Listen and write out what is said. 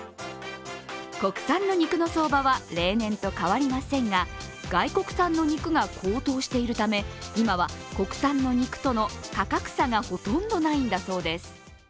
国産の肉の相場は例年と変わりませんが外国産の肉が高騰しているため、今は国産の肉との価格差がほとんどないんだそうです。